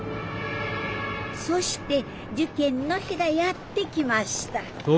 そして受験の日がやってきました